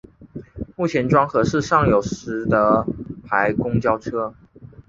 目前庄河市尚有实德牌公交车。